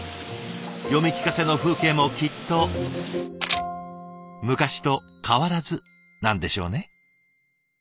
読み聞かせの風景もきっと昔と変わらずなんでしょうね。